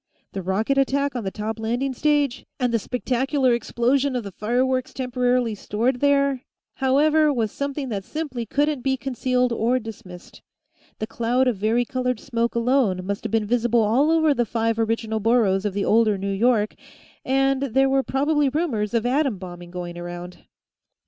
The rocket attack on the top landing stage and the spectacular explosion of the fireworks temporarily stored there, however, was something that simply couldn't be concealed or dismissed. The cloud of varicolored smoke alone must have been visible all over the five original boroughs of the older New York, and there were probably rumors of atom bombing going around.